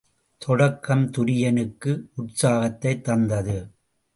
தொடக்கம் துரியனுக்கு உற்சாகத்தைத் தந்தது.